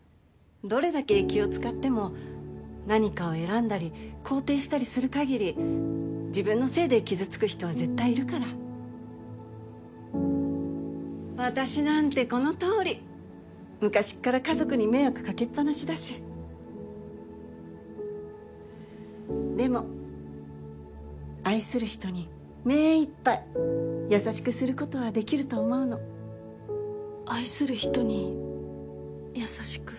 どれだけ気を使っても何かを選んだり肯定したりする限り自分のせいで傷つく人は絶対いるから私なんてこのとおり昔っから家族に迷惑かけっぱなしだしでも愛する人にめいっぱい優しくすることはできると思うの愛する人に優しく？